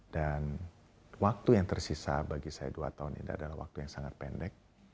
dan waktu yang tersisa bagi saya dua tahun ini adalah waktu yang sangat pendek